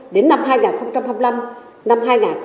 đến năm hai nghìn hai mươi năm năm hai nghìn ba mươi